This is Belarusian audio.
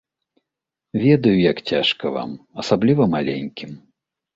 Ведаю, як цяжка вам, асабліва маленькім.